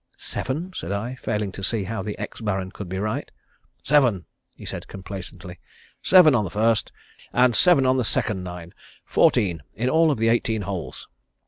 "Seven?" said I, failing to see how the ex Baron could be right. "Seven," said he complacently. "Seven on the first, and seven on the second nine; fourteen in all of the eighteen holes."